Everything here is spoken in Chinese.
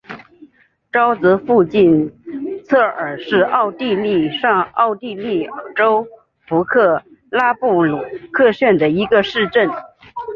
沼泽附近策尔是奥地利上奥地利州弗克拉布鲁克县的一个市镇。